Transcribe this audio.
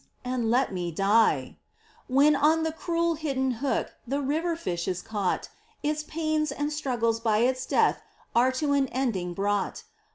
And let me die ! When on the cruel, hidden hook The river fish is caught, Its pains and struggles by its death Are to an ending brought.